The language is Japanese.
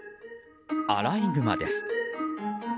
アライグマです。